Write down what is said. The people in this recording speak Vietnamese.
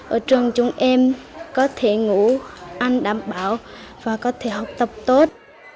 ở trường chúng em có thể ngủ ăn đảm bảo và có thể học tập tốt